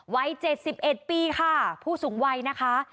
วัยเจ็ดสิบเอ็ดปีค่ะผู้สูงวัยนะคะ